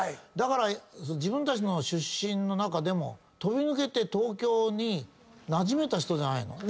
だから自分たちの出身の中でも飛び抜けて東京になじめた人じゃないの？